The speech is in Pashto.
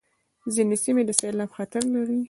ځینې سیمې د سېلاب خطر لري.